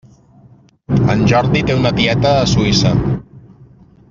En Jordi té una tieta a Suïssa.